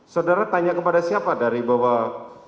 saudara tanya kepada siapa dari bawah